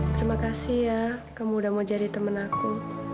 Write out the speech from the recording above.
terima kasih ya kamu udah mau jadi teman aku